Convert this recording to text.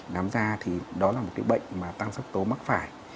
nám da thì đó là một bệnh tăng sắc tố mắc phải